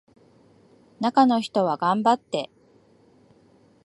中の人は頑張って